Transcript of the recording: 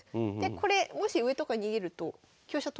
これもし上とか逃げると香車取れますよね。